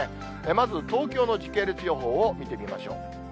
まず、東京の時系列予報を見てみましょう。